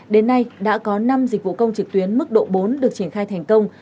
đến nay đã có năm dịch vụ công trực tuyến mức độ bốn được triển khai thành công